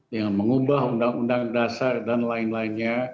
dengan mengubah undang undang dasar dan lain lainnya